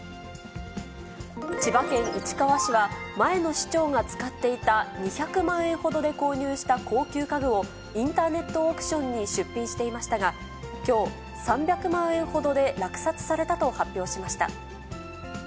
千葉県市川市は前の市長が使っていた２００万円ほどで購入した高級家具を、インターネットオークションに出品していましたが、きょう、３００万円ほどで落札されたと発表しました。